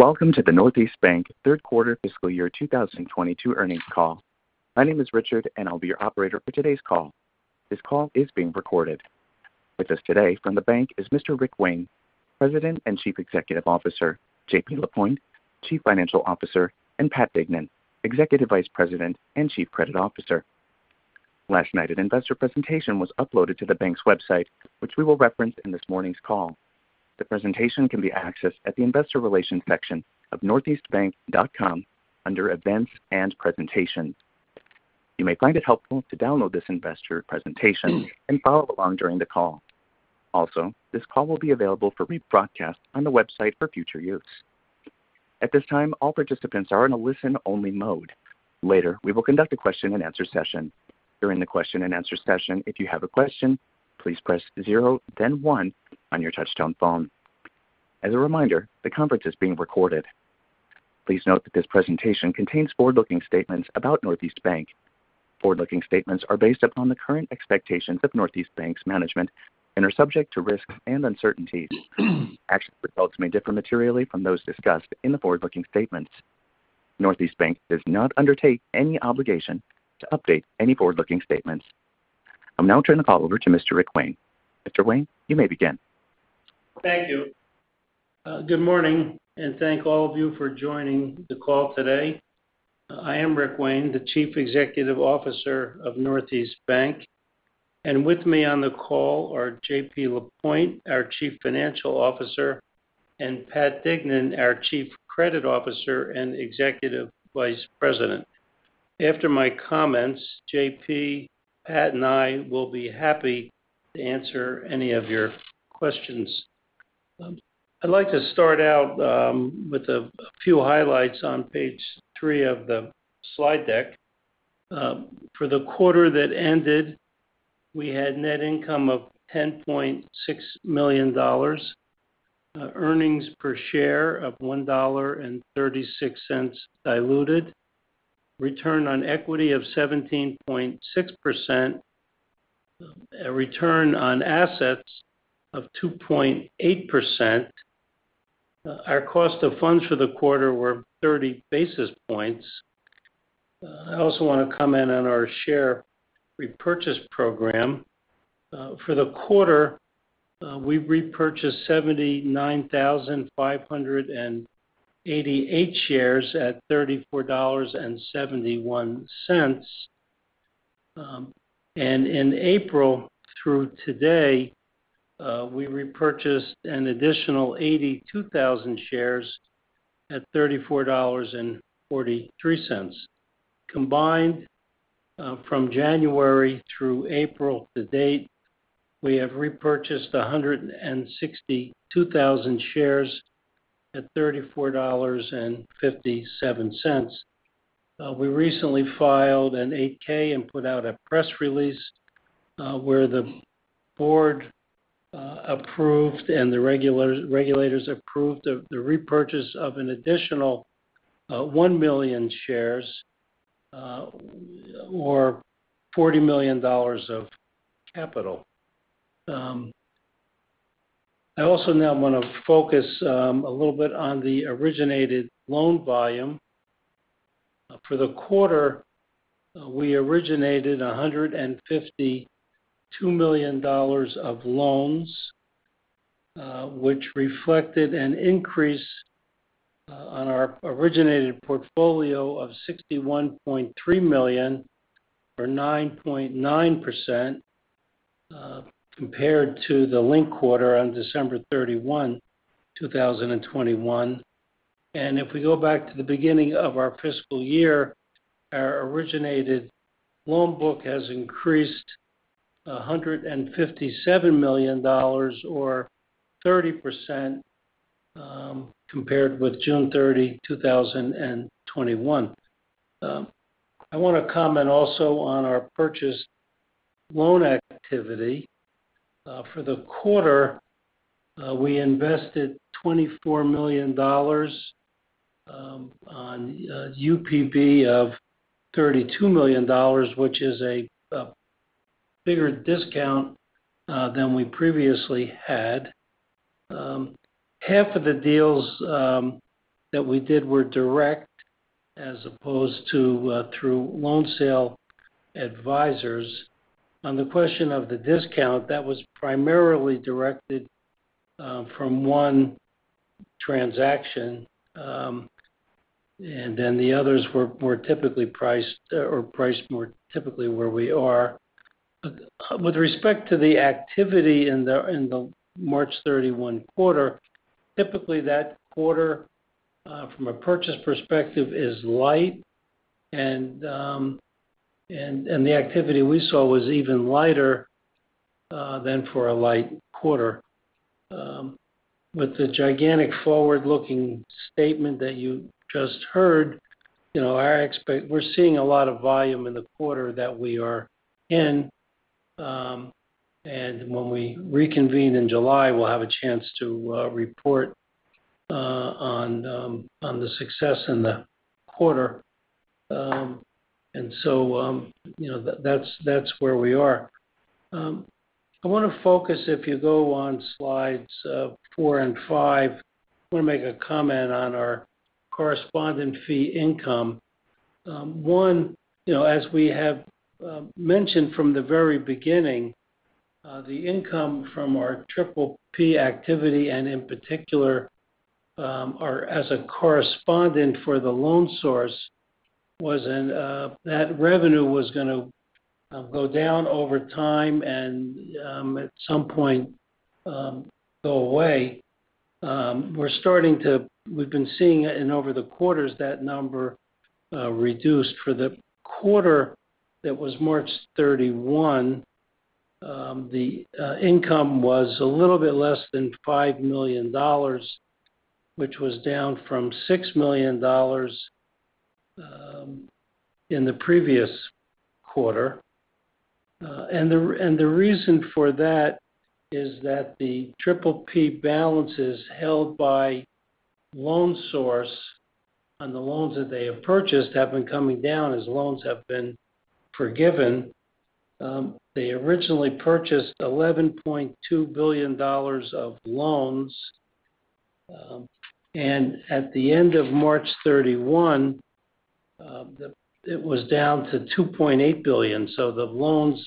Welcome to the Northeast Bank third quarter fiscal year 2022 earnings call. My name is Richard, and I'll be your operator for today's call. This call is being recorded. With us today from the bank is Mr. Rick Wayne, President and Chief Executive Officer, JP Lapointe, Chief Financial Officer, and Pat Dignan, Executive Vice President and Chief Credit Officer. Last night, an investor presentation was uploaded to the bank's website, which we will reference in this morning's call. The presentation can be accessed at the Investor Relations section of northeastbank.com under Events and Presentations. You may find it helpful to download this investor presentation and follow along during the call. Also, this call will be available for rebroadcast on the website for future use. At this time, all participants are in a listen-only mode. Later, we will conduct a question-and-answer session. Please note that this presentation contains forward-looking statements about Northeast Bank. Forward-looking statements are based upon the current expectations of Northeast Bank's management and are subject to risks and uncertainties. Actual results may differ materially from those discussed in the forward-looking statements. Northeast Bank does not undertake any obligation to update any forward-looking statements. I'll now turn the call over to Mr. Rick Wayne. Mr. Wayne, you may begin. Thank you. Good morning, and thank all of you for joining the call today. I am Rick Wayne, the Chief Executive Officer of Northeast Bank, and with me on the call are JP Lapointe, our Chief Financial Officer, and Pat Dignan, our Chief Credit Officer and Executive Vice President. After my comments, JP, Pat, and I will be happy to answer any of your questions. I'd like to start out with a few highlights on page three of the slide deck. For the quarter that ended, we had net income of $10.6 million. Earnings per share of $1.36 diluted. Return on equity of 17.6%. A return on assets of 2.8%. Our cost of funds for the quarter were 30 basis points. I also want to comment on our share repurchase program. For the quarter, we repurchased 79,588 shares at $34.71. In April through today, we repurchased an additional 82,000 shares at $34.43. Combined, from January through April to date, we have repurchased 162,000 shares at $34.57. We recently filed an 8-K and put out a press release, where the board approved and the regulators approved the repurchase of an additional 1 million shares, or $40 million of capital. I also now want to focus a little bit on the originated loan volume. For the quarter, we originated $152 million of loans, which reflected an increase on our originated portfolio of $61.3 million or 9.9%, compared to the linked quarter on December 31, 2021. If we go back to the beginning of our fiscal year, our originated loan book has increased $157 million or 30%, compared with June 30, 2021. I want to comment also on our purchase loan activity. For the quarter, we invested $24 million on a UPB of $32 million, which is a bigger discount than we previously had. Half of the deals that we did were direct as opposed to through loan sale advisors. On the question of the discount, that was primarily directed from one transaction, and then the others were typically priced or priced more typically where we are. With respect to the activity in the March 31 quarter, typically that quarter from a purchase perspective is light and the activity we saw was even lighter than for a light quarter. With the gigantic forward-looking statement that you just heard, you know, I expect we're seeing a lot of volume in the quarter that we are in, and when we reconvene in July, we'll have a chance to report on the success in the quarter. You know, that's where we are. I wanna focus, if you go on slides four and five, I wanna make a comment on our correspondent fee income. One, you know, as we have mentioned from the very beginning, the income from our PPP activity and in particular, as a correspondent for The Loan Source was in that revenue was gonna go down over time and, at some point, go away. We've been seeing it, and over the quarters, that number reduced. For the quarter that was March 31, the income was a little bit less than $5 million, which was down from $6 million in the previous quarter. The reason for that is that the PPP balances held by The Loan Source on the loans that they have purchased have been coming down as loans have been forgiven. They originally purchased $11.2 billion of loans. And at the end of March 31, it was down to $2.8 billion. So the loans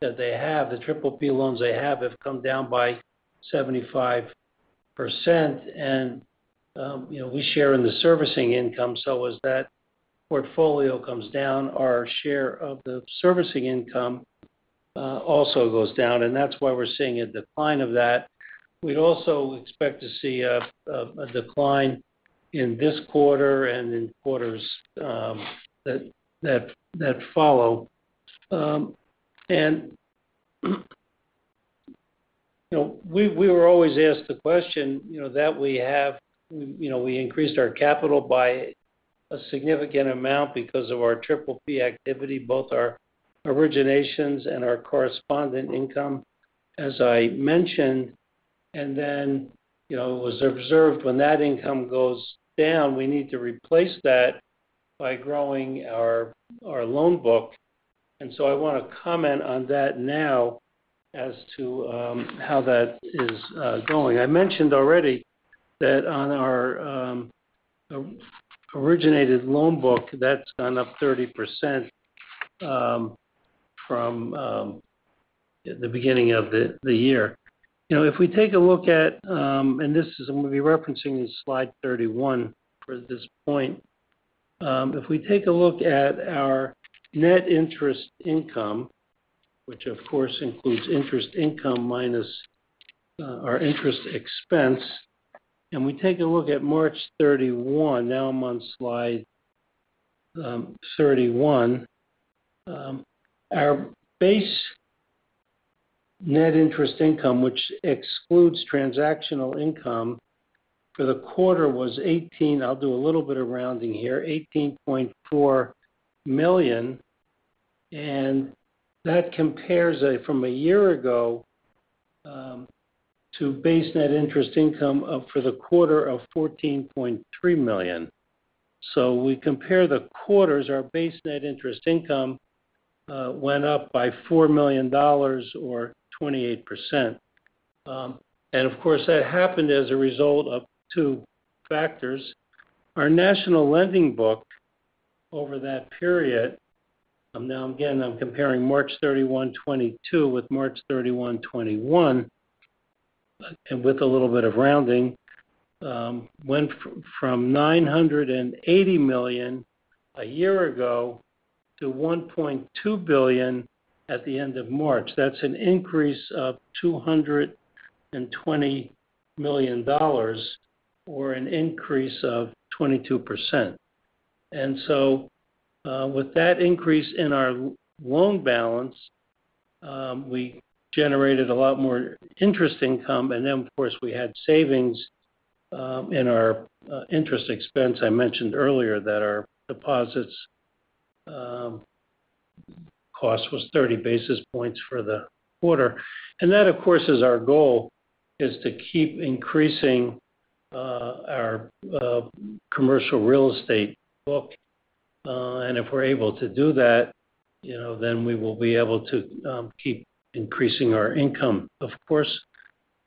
that they have, the PPP loans they have come down by 75%. You know, we share in the servicing income, so as that portfolio comes down, our share of the servicing income also goes down. That's why we're seeing a decline of that. We'd also expect to see a decline in this quarter and in quarters that follow. You know, we were always asked the question, you know, that we have, you know, we increased our capital by a significant amount because of our PPP activity, both our originations and our correspondent income, as I mentioned. Then, you know, it was observed when that income goes down, we need to replace that by growing our loan book. I want to comment on that now as to how that is going. I mentioned already that on our originated loan book, that's gone up 30% from the beginning of the year. You know, if we take a look at. This is. I'm gonna be referencing slide 31 for this point. If we take a look at our net interest income, which of course includes interest income minus our interest expense, and we take a look at March 31. Now I'm on slide 31. Our base net interest income, which excludes transactional income for the quarter, was 18. I'll do a little bit of rounding here. $18.4 million. That compares from a year ago to base net interest income for the quarter of $14.3 million. We compare the quarters, our base net interest income went up by $4 million or 28%. Of course that happened as a result of two factors. Our national lending book over that period, now again, I'm comparing March 31, 2022 with March 31, 2021, with a little bit of rounding, went from $980 million a year ago to $1.2 billion at the end of March. That's an increase of $220 million or an increase of 22%. With that increase in our loan balance, we generated a lot more interest income. Then of course we had savings in our interest expense. I mentioned earlier that our deposits cost was 30 basis points for the quarter. That of course is our goal, is to keep increasing our commercial real estate book. If we're able to do that, you know, then we will be able to keep increasing our income. Of course,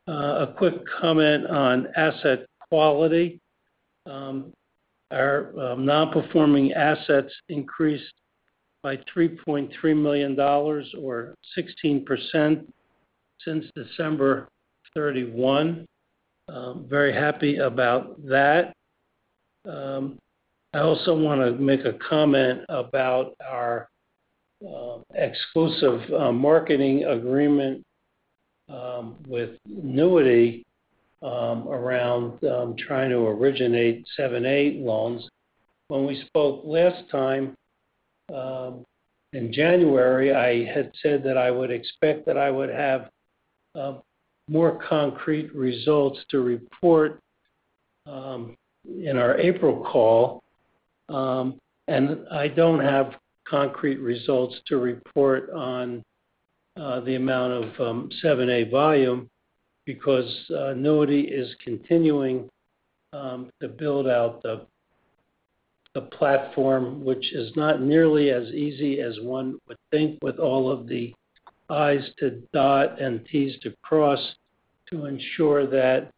a quick comment on asset quality. Our non-performing assets increased by $3.3 million or 16% since December 31. Very happy about that. I also wanna make a comment about our exclusive marketing agreement with Newity around trying to originate SBA 7(a) loans. When we spoke last time, in January, I had said that I would expect that I would have more concrete results to report in our April call. I don't have concrete results to report on the amount of 7(a) volume because Newity is continuing to build out the platform, which is not nearly as easy as one would think with all of the i's to dot and t's to cross to ensure that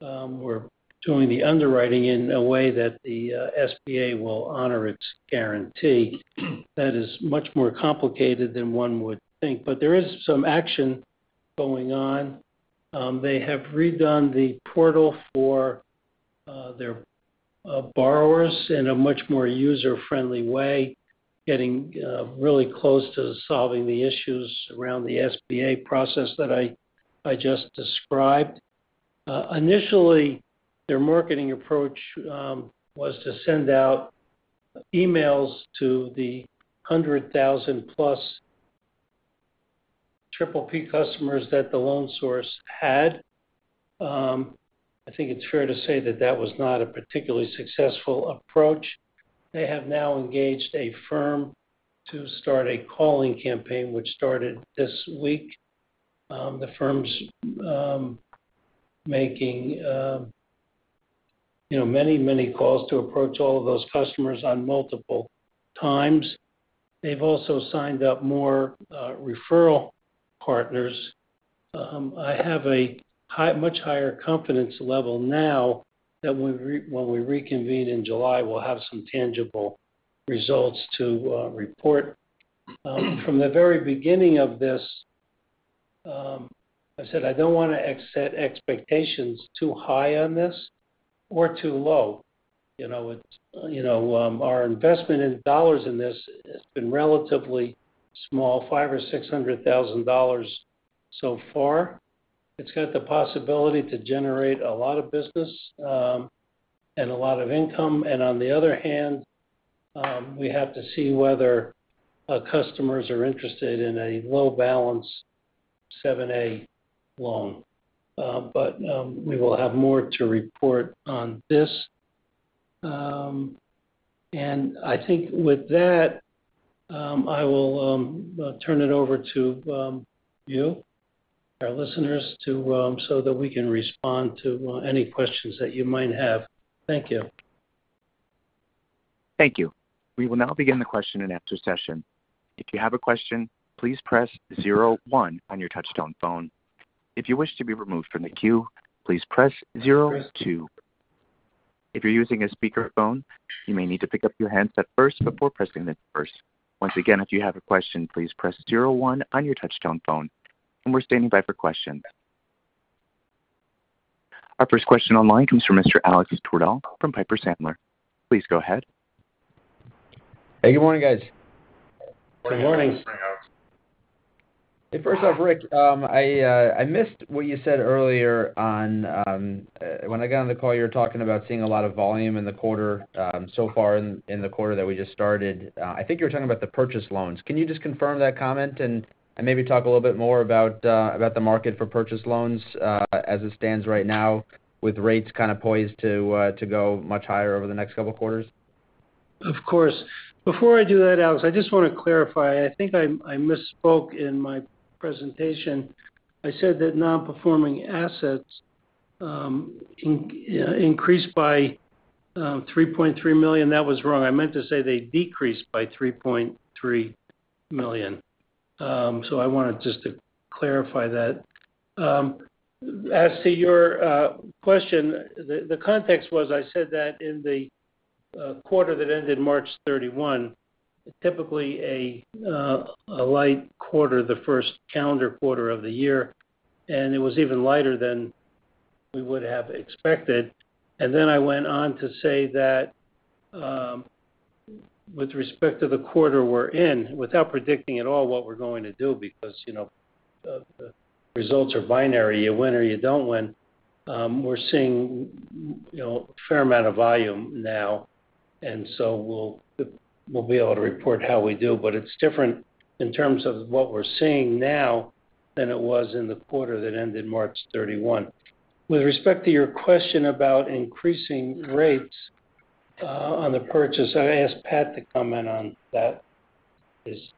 we're doing the underwriting in a way that the SBA will honor its guarantee. That is much more complicated than one would think. There is some action going on. They have redone the portal for their borrowers in a much more user-friendly way, getting really close to solving the issues around the SBA process that I just described. Initially, their marketing approach was to send out emails to the 100,000-plus PPP customers that The Loan Source had. I think it's fair to say that that was not a particularly successful approach. They have now engaged a firm to start a calling campaign, which started this week. The firm's making, you know, many calls to approach all of those customers on multiple times. They've also signed up more referral partners. I have much higher confidence level now that when we reconvene in July, we'll have some tangible results to report. From the very beginning of this, I said I don't wanna set expectations too high on this or too low. You know, it's, you know, our investment in this has been relatively small, $500,000-$600,000 so far. It's got the possibility to generate a lot of business and a lot of income. On the other hand, we have to see whether our customers are interested in a low-balance 7(a) loan. We will have more to report on this. I think with that, I will turn it over to you, our listeners, so that we can respond to any questions that you might have. Thank you. Thank you. We will now begin the question and answer session. If you have a question, please press zero one on your touchtone phone. If you wish to be removed from the queue, please press zero two. If you're using a speakerphone, you may need to pick up your handset first before pressing the numbers. Once again, if you have a question, please press zero one on your touchtone phone. We're standing by for questions. Our first question online comes from Mr. Alex Twerdahl from Piper Sandler. Please go ahead. Hey, good morning, guys. Good morning. Good morning, Alex. Hey, first off, Rick, I missed what you said earlier on, when I got on the call, you were talking about seeing a lot of volume in the quarter so far in the quarter that we just started. I think you were talking about the purchase loans. Can you just confirm that comment and maybe talk a little bit more about the market for purchase loans as it stands right now with rates kind of poised to go much higher over the next couple quarters? Of course. Before I do that, Alex, I just wanna clarify. I think I misspoke in my presentation. I said that non-performing assets increased by $3.3 million. That was wrong. I meant to say they decreased by $3.3 million. I wanted just to clarify that. As to your question, the context was I said that in the quarter that ended March 31, typically a light quarter, the first calendar quarter of the year, and it was even lighter than we would have expected. Then I went on to say that, with respect to the quarter we're in, without predicting at all what we're going to do because, you know, the results are binary. You win or you don't win. We're seeing, you know, a fair amount of volume now, and so we'll be able to report how we do, but it's different in terms of what we're seeing now than it was in the quarter that ended March 31. With respect to your question about increasing rates, on the purchase, I ask Pat to comment on that. Please.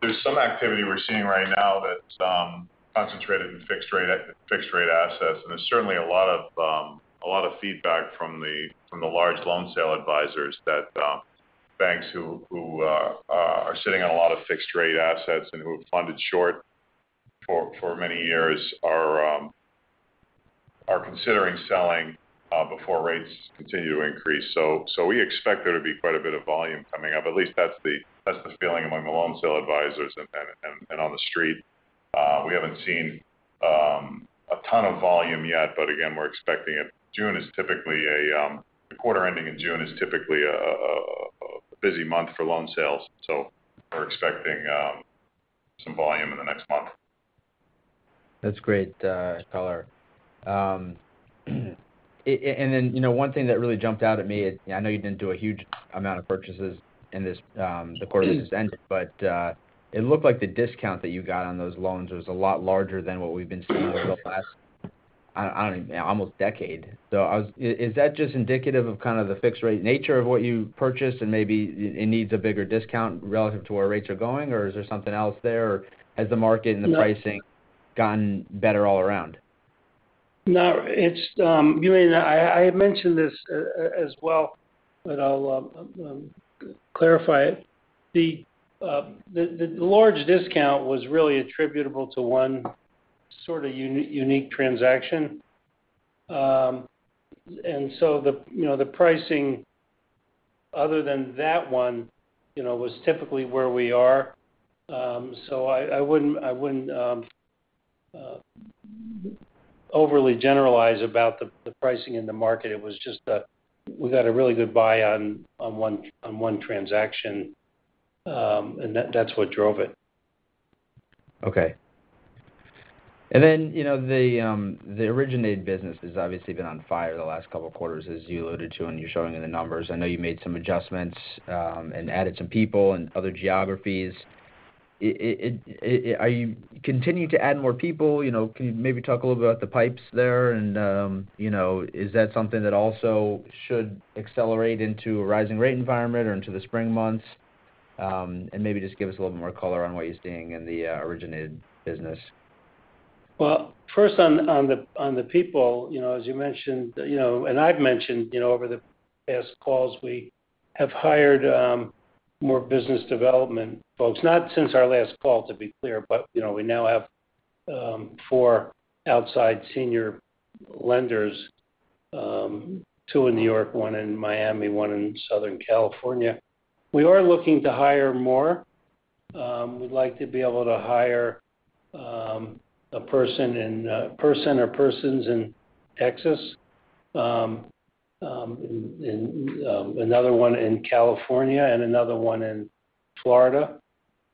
There's some activity we're seeing right now that's concentrated in fixed rate assets. There's certainly a lot of feedback from the large loan sale advisors that banks who are sitting on a lot of fixed rate assets and who have funded short for many years are considering selling before rates continue to increase. We expect there to be quite a bit of volume coming up. At least that's the feeling among the loan sale advisors and on the street. We haven't seen a ton of volume yet, but again, we're expecting it. The quarter ending in June is typically a busy month for loan sales, so we're expecting some volume in the next month. That's great, color. Then, you know, one thing that really jumped out at me. I know you didn't do a huge amount of purchases in this, the quarter that just ended, but it looked like the discount that you got on those loans was a lot larger than what we've been seeing over the last year, I don't even almost a decade. Is that just indicative of kind of the fixed rate nature of what you purchased and maybe it needs a bigger discount relative to where rates are going? Or is there something else there? Or has the market and the pricing gotten better all around? No, it's you and I. I had mentioned this as well, but I'll clarify it. The large discount was really attributable to one sort of unique transaction. You know, the pricing other than that one, you know, was typically where we are. I wouldn't overly generalize about the pricing in the market. It was just that we got a really good buy on one transaction, and that's what drove it. Okay. Then, you know, the originated business has obviously been on fire the last couple of quarters as you alluded to when you were showing the numbers. I know you made some adjustments and added some people and other geographies. Are you continuing to add more people? You know, can you maybe talk a little about the pipes there and, you know, is that something that also should accelerate into a rising rate environment or into the spring months? And maybe just give us a little more color on what you're seeing in the originated business. Well, first on the people. You know, as you mentioned, you know, and I've mentioned, you know, over the past calls, we have hired more business development folks. Not since our last call, to be clear, but you know, we now have four outside senior lenders, two in New York, one in Miami, one in Southern California. We are looking to hire more. We'd like to be able to hire a person or persons in Texas, and another one in California and another one in Florida.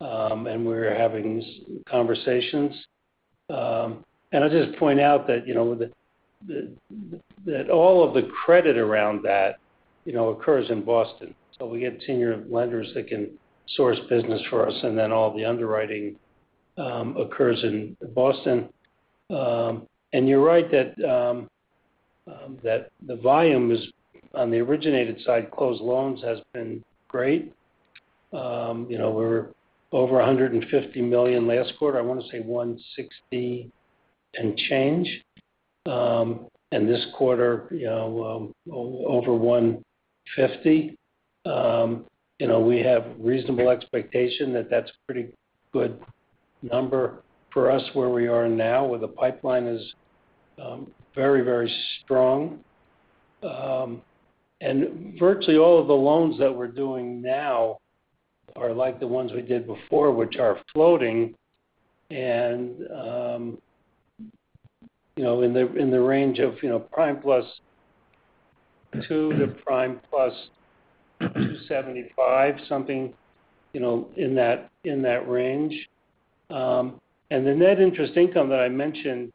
And we're having these conversations. And I'll just point out that you know that all of the credit around that you know occurs in Boston. We get senior lenders that can source business for us, and then all the underwriting occurs in Boston. You're right that the volume is on the originated side, closed loans has been great. You know, we were over $150 million last quarter. I wanna say $160 million and change. This quarter, you know, over $150 million. You know, we have reasonable expectation that that's pretty good number for us where we are now, where the pipeline is, very, very strong. Virtually all of the loans that we're doing now are like the ones we did before, which are floating and, you know, in the range of, you know, prime plus 2 to prime plus 2.75, something, you know, in that range. The net interest income that I mentioned,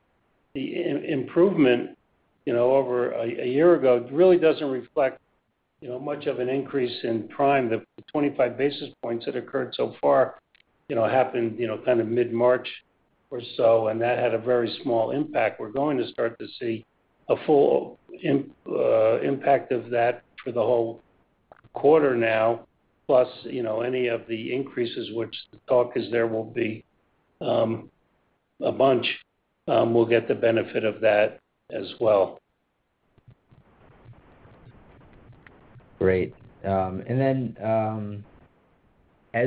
the improvement, you know, over a year ago, really doesn't reflect, you know, much of an increase in prime. The 25 basis points that occurred so far, you know, happened, you know, kind of mid-March or so, and that had a very small impact. We're going to start to see a full impact of that for the whole quarter now, plus, you know, any of the increases which the talk is there will be a bunch. We'll get the benefit of that as well. Great. As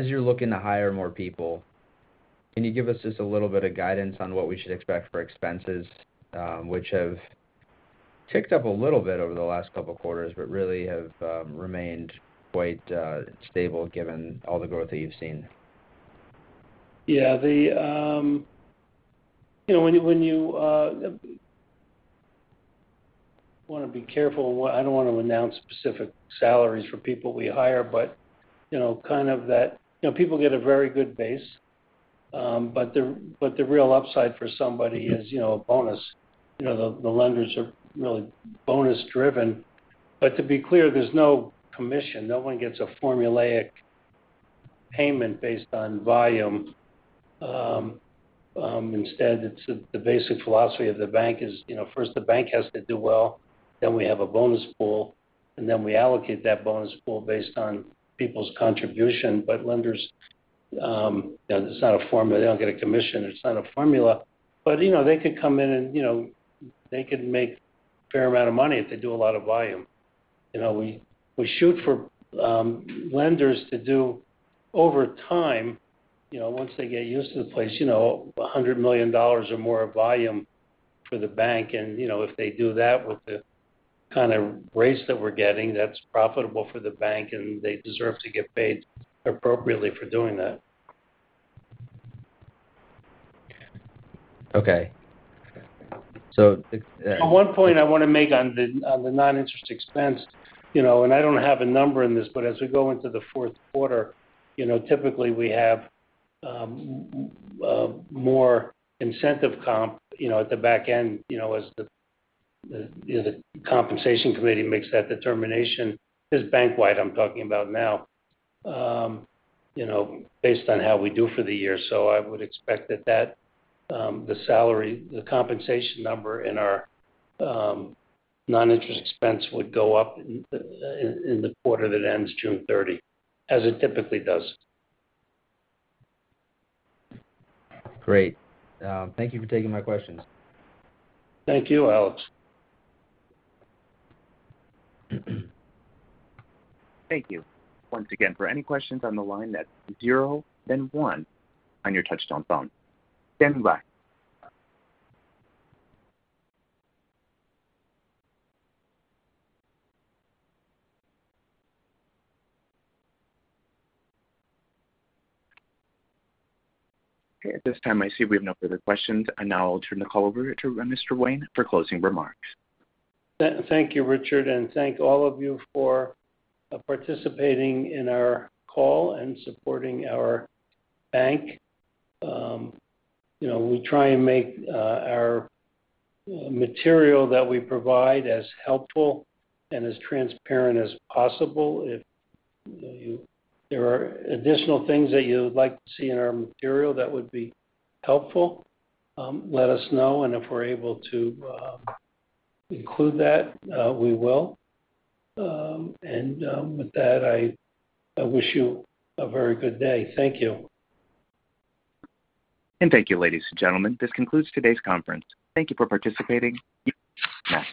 you're looking to hire more people, can you give us just a little bit of guidance on what we should expect for expenses, which have ticked up a little bit over the last couple quarters but really have remained quite stable given all the growth that you've seen? I don't wanna announce specific salaries for people we hire, but you know, kind of that, you know, people get a very good base. The real upside for somebody is you know, a bonus. You know, the lenders are really bonus-driven. To be clear, there's no commission. No one gets a formulaic payment based on volume. Instead it's the basic philosophy of the bank is you know, first the bank has to do well, then we have a bonus pool, and then we allocate that bonus pool based on people's contribution. Lenders, you know, it's not a formula. They don't get a commission. It's not a formula. You know, they could come in and, you know, they could make a fair amount of money if they do a lot of volume. You know, we shoot for lenders to do over time, you know, once they get used to the place, you know, $100 million or more of volume for the bank. You know, if they do that with the kinda raise that we're getting, that's profitable for the bank, and they deserve to get paid appropriately for doing that. Okay. One point I wanna make on the non-interest expense, you know, and I don't have a number in this, but as we go into the fourth quarter, you know, typically we have more incentive comp, you know, at the back end, you know, as the compensation committee makes that determination. This is bank wide I'm talking about now. You know, based on how we do for the year. I would expect that the salary, the compensation number in our non-interest expense would go up in the quarter that ends June 30, as it typically does. Great. Thank you for taking my questions. Thank you, Alex. Thank you. Once again, for any questions on the line, that's zero then one on your touchtone phone. Standby. Okay, at this time, I see we have no further questions. I now turn the call over to Mr. Wayne for closing remarks. Thank you, Richard. Thank all of you for participating in our call and supporting our bank. You know, we try and make our material that we provide as helpful and as transparent as possible. If there are additional things that you would like to see in our material that would be helpful, let us know. If we're able to include that, we will. With that, I wish you a very good day. Thank you. Thank you, ladies and gentlemen. This concludes today's conference. Thank you for participating. You may disconnect.